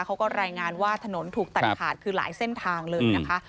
เขาก็รายงานว่าถนนถูกตัดขาดคือหลายเส้นทางเลยนะคะ